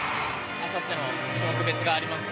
あさっての種目別があります。